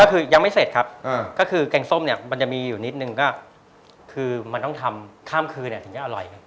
ก็คือยังไม่เสร็จครับก็คือแกงส้มเนี่ยมันจะมีอยู่นิดนึงก็คือมันต้องทำข้ามคืนถึงจะอร่อยกัน